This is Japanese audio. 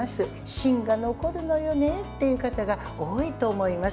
芯が残るのよねっていう方が多いと思います。